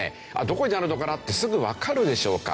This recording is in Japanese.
どこにあるのかなってすぐわかるでしょうか？